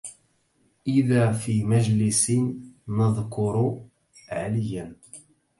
إذا في مجلس نذكر علياً